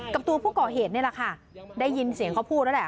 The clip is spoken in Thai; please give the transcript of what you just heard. กับตัวผู้ก่อเหตุนี่แหละค่ะได้ยินเสียงเขาพูดแล้วแหละ